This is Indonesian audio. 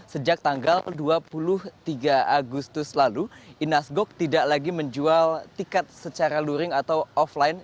sejak tanggal dua puluh tiga agustus lalu inas gok tidak lagi menjual tiket secara luring atau offline